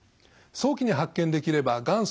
早期に発見できればがん